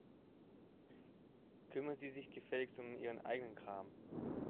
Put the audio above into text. Kümmern Sie sich gefälligst um Ihren eigenen Kram.